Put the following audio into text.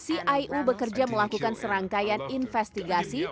setelah tim ciu bekerja melakukan serangkaian investigasi